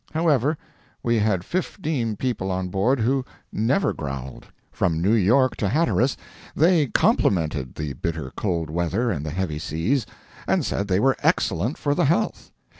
However, we had fifteen people on board who never growled. From New York to Hatteras they complimented the bitter cold weather and the heavy seas, and said they were excellent for the health.